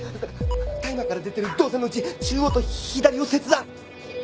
タイマーから出てる導線のうち中央と左を切断。